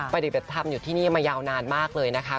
ปฏิบัติธรรมอยู่ที่นี่มายาวนานมากเลยนะคะ